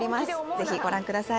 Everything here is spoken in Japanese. ぜひご覧ください。